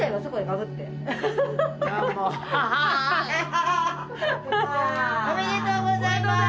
おめでとうございます！